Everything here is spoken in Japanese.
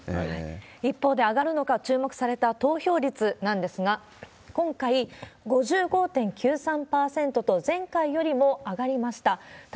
一方で、上がるのが注目された投票率なんですが、今回、５５．９３％と、前回よりも上がりました。